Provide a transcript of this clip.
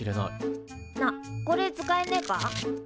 なあこれ使えねえか？